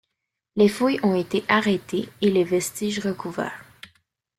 Les fouilles ont été arrêtées et les vestiges recouverts.